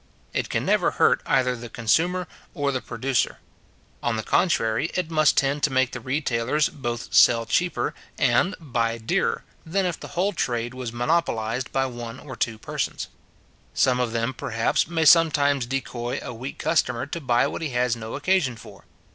It can never hurt either the consumer or the producer; on the contrary, it must tend to make the retailers both sell cheaper and buy dearer, than if the whole trade was monopolised by one or two persons. Some of them, perhaps, may sometimes decoy a weak customer to buy what he has no occasion for.